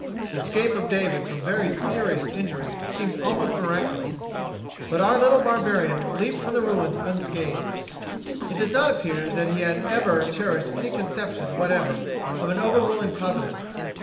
The escape of David from very serious injuries seemed almost miraculous. But our little barbarian leaped from the ruins unscathed. It does not appear that he had ever cherished any conception whatever of an overruling Providence.